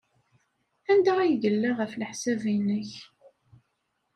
Anda ay yella, ɣef leḥsab-nnek?